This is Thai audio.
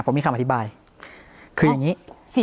อ๋อผมมีคำอธิบายคือยังงี้